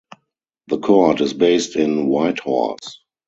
The court is based in Whitehorse.